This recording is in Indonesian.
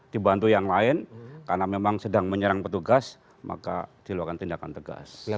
dibantu yang lain karena memang sedang menyerang petugas maka dilakukan tindakan tegas